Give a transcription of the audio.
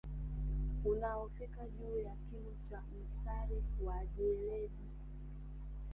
Unaofika juu ya kimo cha mstari wa jeledi